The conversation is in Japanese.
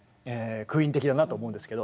クイーン的だなと思うんですけど